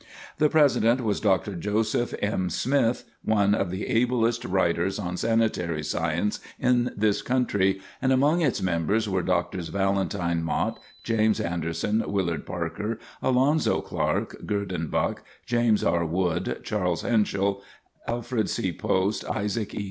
The president was Dr. Joseph M. Smith, one of the ablest writers on sanitary science in this country, and among its members were Drs. Valentine Mott, James Anderson, Willard Parker, Alonzo Clark, Gurdon Buck, James R. Wood, Charles Henschel, Alfred C. Post, Isaac E.